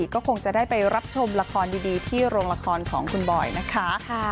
ก็ไหล๑๐ล้านครับต้องบอกว่าไหล๑๐ล้าน